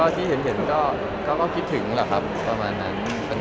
ที่เห็นก็คิดถึงแบบนั้น